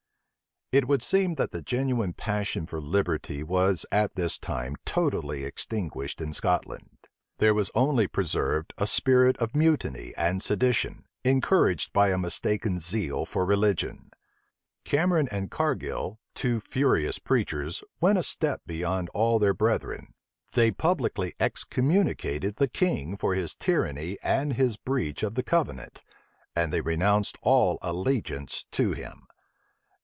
522. It would seem, that the genuine passion for liberty was at this time totally extinguished in Scotland: there was only preserved a spirit of mutiny and sedition, encouraged by a mistaken zeal for religion. Cameron and Cargil, two furious preachers, went a step beyond all their brethren: they publicly excommunicated the king for his tyranny and his breach of the covenant, and they renounced all allegiance to him.